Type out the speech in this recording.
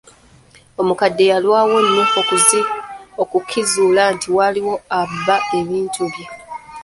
Omukadde yalwawo nnyo okukizuula nti waliwo abba ebintu bye.